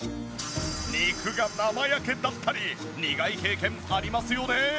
肉が生焼けだったり苦い経験ありますよね？